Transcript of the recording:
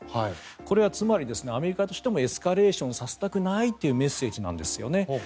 これはつまり、アメリカとしてもエスカレーションさせたくないというメッセージなんですね。